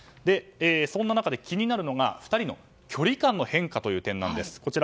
そんな中で気になるのが２人の距離感の変化。